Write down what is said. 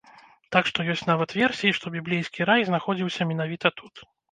Так што ёсць нават версіі, што біблейскі рай знаходзіўся менавіта тут.